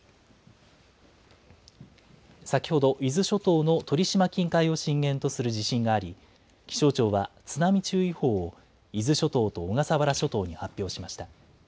先ほど、伊豆諸島の鳥島近海を震源とする地震があり、気象庁は津波注意報を伊豆諸島と小笠原諸島に発表しました。